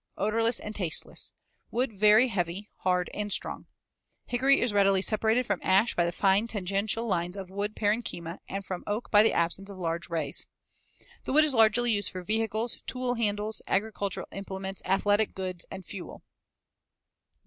Odorless and tasteless. Wood very heavy, hard, and strong. Hickory is readily separated from ash by the fine tangential lines of wood parenchyma and from oak by the absence of large rays. The wood is largely used for vehicles, tool handles, agricultural implements, athletic goods, and fuel.